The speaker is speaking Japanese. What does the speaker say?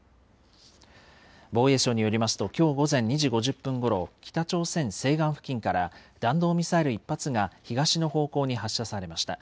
防衛省によりますと、きょう午前２時５０分ごろ、北朝鮮西岸付近から弾道ミサイル１発が東の方向に発射されました。